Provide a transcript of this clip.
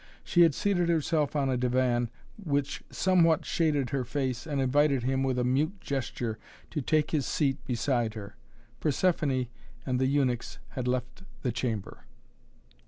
She had seated herself on a divan which somewhat shaded her face and invited him with a mute gesture to take his seat beside her. Persephoné and the eunuchs had left the chamber.